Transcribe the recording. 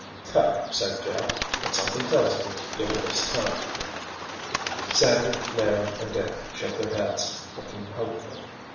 "Cut," said Jeff, "but something tells me you'll waste time." Sandy, Larry and Dick shook their heads, looking hopeful.